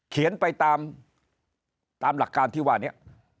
เขียนไปตามหลักการที่ว่านี้